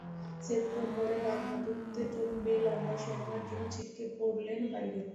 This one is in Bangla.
সেপ্টেম্বরে ডান হাঁটুতে চোট পেয়ে লম্বা সময়ের জন্য ছিটকে পড়লেন বাইরে।